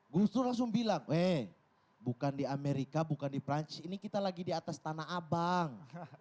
gus dur langsung bilang eh bukan di amerika bukan di perancis ini kita lagi di atas tanah abang